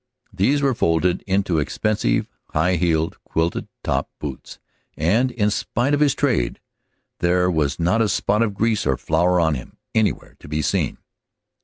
These were folded into expensive, high heeled, quilted topped boots, and, in spite of his trade, there was not a spot of grease or flour on him anywhere to be seen.